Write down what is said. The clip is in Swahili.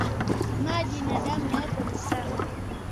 Maji na damu yako ni safi